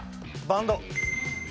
バンド。